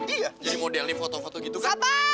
iya jadi model nih foto foto gitu kan